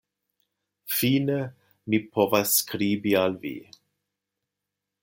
Fine mi povas skribi al vi.